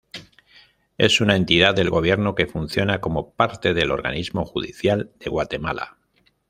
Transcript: Es una entidad del gobierno, que funciona como parte del Organismo Judicial de Guatemala.